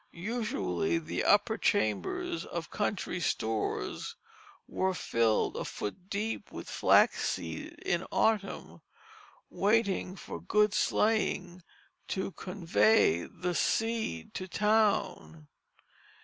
Usually the upper chambers of country stores were filled a foot deep with flaxseed in the autumn, waiting for good sleighing to convey the seed to town.